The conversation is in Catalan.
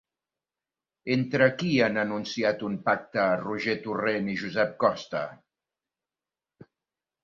Entre qui han anunciat un pacte Roger Torrent i Josep Costa?